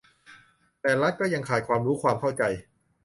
แต่รัฐก็ยังขาดความรู้ความเข้าใจ